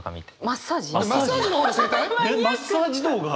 マッサージ動画？